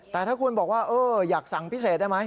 แต่ถ้าคุณบอกว่าอยากสั่งพิเศษได้ไหม